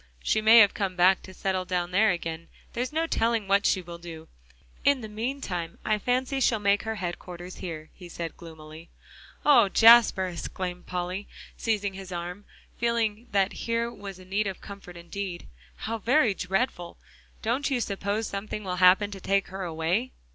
She may have come back to settle down there again, there's no telling what she will do. In the meantime, I fancy she'll make her headquarters here," he said gloomily. "Oh, Jasper!" exclaimed Polly, seizing his arm, feeling that here was need of comfort indeed, "how very dreadful! Don't you suppose something will happen to take her away?"